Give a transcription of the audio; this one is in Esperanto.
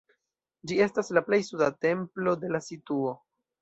Ĝi estas la plej suda templo de la situo.